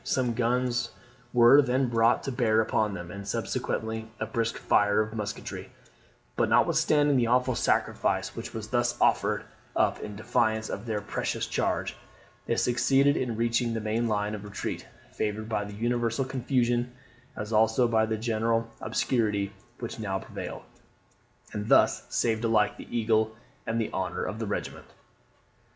Some guns were then brought to bear upon them, and subsequently a brisk fire of musketry; but notwithstanding the awful sacrifice which was thus offered up in defence of their precious charge, they succeeded in reaching the main line of retreat, favoured by the universal confusion, as also by the general obscurity which now prevailed; and thus saved alike the eagle and the honour of the regiment."